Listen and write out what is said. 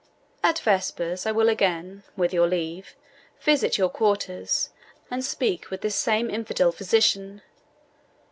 At vespers I will again, with your leave, visit your quarters, and speak with this same infidel physician.